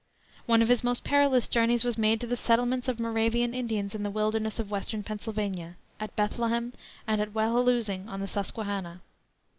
One of his most perilous journeys was made to the settlements of Moravian Indians in the wilderness of Western Pennsylvania, at Bethlehem, and at Wehaloosing, on the Susquehanna.